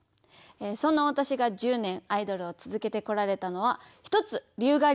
そんなわたしが１０年アイドルを続けてこられたのは１つ理由があります。